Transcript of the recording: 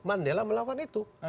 mandela melakukan itu